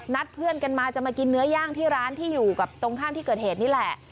เพื่อนกันมาจะมากินเนื้อย่างที่ร้านที่อยู่กับตรงข้ามที่เกิดเหตุนี่แหละ